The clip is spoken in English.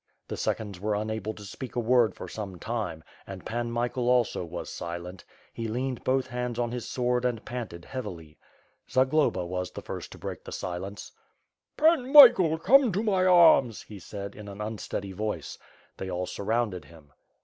The seconds were unable to speak a word for some time, and Pan Michael also was silent' he leaned both hands on his sword and panted heavily. Zagloba was the first to break the silence. 2^3 WITH FIRE AND SWORD. "Pan Michael, come to my arms!" he said, in an unsteady voice. They all surrounded him.